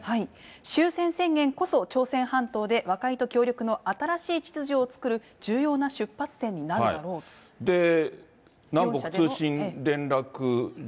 終戦宣言こそ朝鮮半島で和解と協力の新しい秩序を作る重要なで、南北通信連絡所、